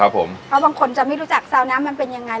เพราะบางคนจะไม่รู้จักซาวน้ำมันเป็นยังไง